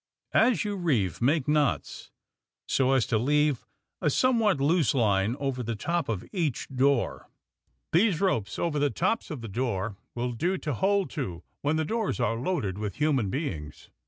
As you reeve, make knots, so as to leave a some what loose line over the top of each door. These ropes over the tops of the door will do to hold to when the doors are loaded with human beings.